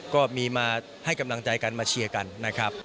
ก็มีมาให้กำลังใจกันมาเชียร์กันนะครับ